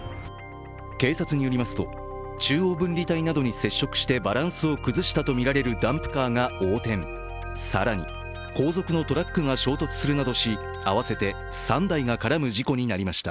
警察によりますと、中央分離帯などに接触してバランスを崩したとみられるダンプカーが横転更に後続のトラックが衝突するなどし合わせて３台が絡む事故になりました。